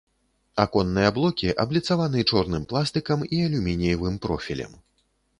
Аконныя блокі абліцаваны чорным пластыкам і алюмініевым профілем.